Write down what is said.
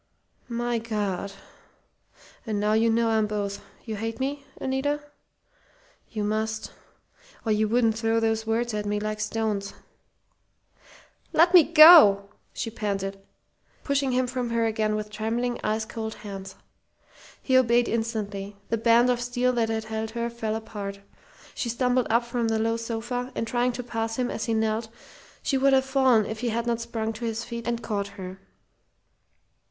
"My God! And now you know I'm both, you hate me, Anita? You must, or you wouldn't throw those words at me like stones." "Let me go," she panted, pushing him from her again with trembling, ice cold hands. He obeyed instantly. The band of steel that had held her fell apart. She stumbled up from the low sofa, and trying to pass him as he knelt, she would have fallen if he had not sprung to his feet and caught her.